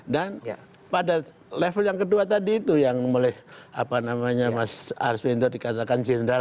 dan pada level yang kedua tadi itu yang mulai apa namanya mas arswinder dikatakan jenderal